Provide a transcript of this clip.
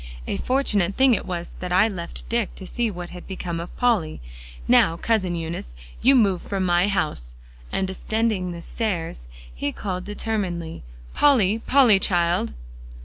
"A fortunate thing it was that I left Dick, to see what had become of Polly. Now, Cousin Eunice, you move from my house!" and descending the stairs, he called determinedly, "Polly, Polly, child!"